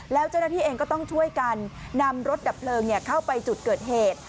แล้วเจ้าหน้าที่เองก็ต้องช่วยกันนำรถดับเพลิงเข้าไปจุดเกิดเหตุ